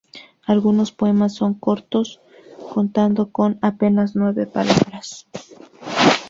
Algunos poemas son cortos contando con apenas nueve palabras.